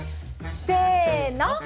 せの。